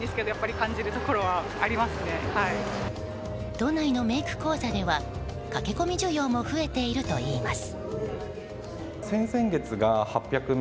都内のメイク講座では駆け込み需要も増えているといいます。